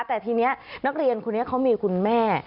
แต่ทีนี้นักเรียนคนนี้เขามีคุณแม่